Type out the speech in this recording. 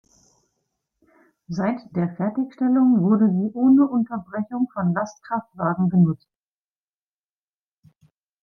Seit der Fertigstellung wurde sie ohne Unterbrechung von Lastkraftwagen genutzt.